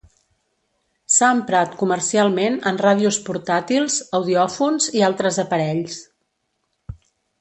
S'ha emprat comercialment en ràdios portàtils, audiòfons i altres aparells.